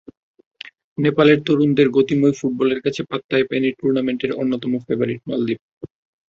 নেপালের তরুণদের গতিময় ফুটবলের কাছে পাত্তাই পায়নি টুর্নামেন্টের অন্যতম ফেবারিট মালদ্বীপ।